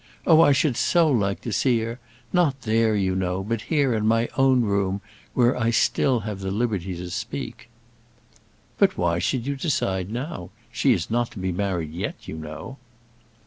Oh, I should so like to see her; not there, you know, but here, in my own room, where I still have liberty to speak." "But why should you decide now? She is not to be married yet, you know."